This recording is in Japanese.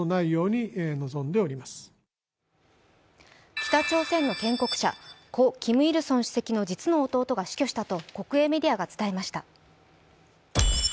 北朝鮮の建国者、故キム・イルソン主席の実の弟が死去したと国営メディアが伝えました。